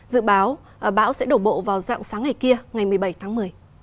dự báo bão sẽ đổ bộ vào dạng sáng ngày kia ngày một mươi bảy tháng một mươi